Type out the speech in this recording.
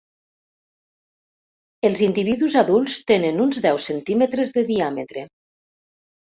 Els individus adults tenen uns deu centímetres de diàmetre.